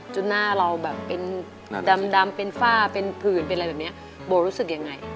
หน้าเราแบบเป็นดำเป็นฝ้าเป็นผื่นเป็นอะไรแบบนี้โบรู้สึกยังไง